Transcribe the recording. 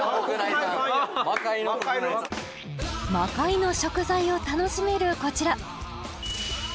魔界の食材を楽しめるこちら